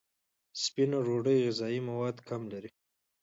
سپینه ډوډۍ غذایي مواد کم لري.